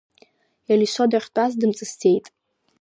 Елисо дахьтәаз дымҵысӡеит.